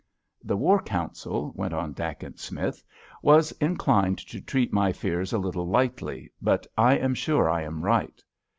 "The War Council," went on Dacent Smith, "was inclined to treat my fears a little lightly, but I am sure I am right.